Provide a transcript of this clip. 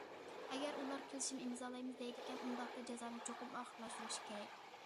ئەگەر ئۇلار كېلىشىم ئىمزالايمىز دەيدىكەن، ئۇنداقتا جازانى چوقۇم ئاخىرلاشتۇرۇش كېرەك.